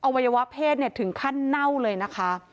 วัยวะเพศถึงขั้นเน่าเลยนะคะ